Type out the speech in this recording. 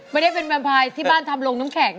ไม่ได้เป็นแมมพายที่บ้านทำลงน้ำแข็ง